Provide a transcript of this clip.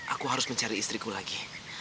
aku harus mencari istriku lagi